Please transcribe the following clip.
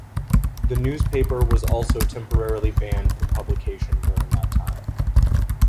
The newspaper was also temporarily banned from publication during that time.